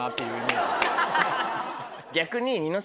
逆に。